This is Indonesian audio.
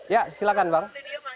ya silakan bang